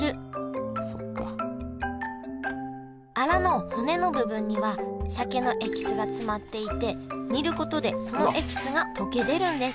アラの骨の部分には鮭のエキスが詰まっていて煮ることでそのエキスが溶け出るんです